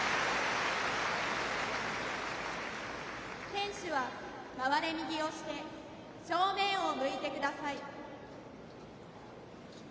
選手は、回れ右をして、正面を向いてください。